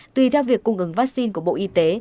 tùy theo việc cung ứng vaccine của bộ y tế